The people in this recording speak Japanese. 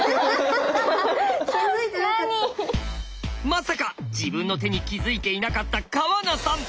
まさか自分の手に気付いていなかった川名さん！